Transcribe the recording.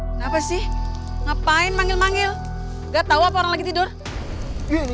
kenapa sih ngapain manggil manggil enggak tahu apa orang lagi tidur ini